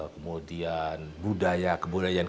kemudian budaya kebudayaan kita itu masih sangat panas